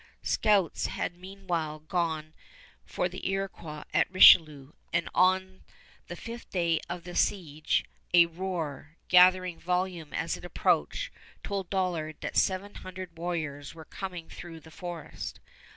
Scouts had meanwhile gone for the Iroquois at Richelieu; and on the fifth day of the siege a roar, gathering volume as it approached, told Dollard that the seven hundred warriors were coming through the forest.